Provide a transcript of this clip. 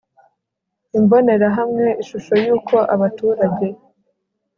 imbonerahamwe ishusho y uko abaturage